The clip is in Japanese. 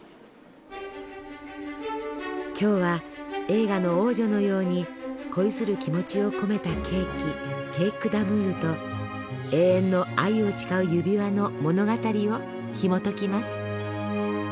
今日は映画の王女のように恋する気持ちを込めたケーキケーク・ダムールと永遠の愛を誓う指輪の物語をひもときます。